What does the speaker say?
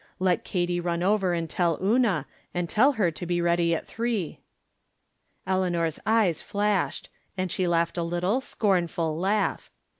Let Katy run over and tell Una, and tell her to be ready at three." Eleanor's eyes flashed ; and she laughed a little, scornful laugh.